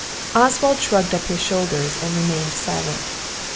Oswald shrugged up his shoulders, and remained silent.